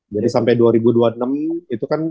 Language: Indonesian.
jadi sampai dua ribu dua puluh enam itu kan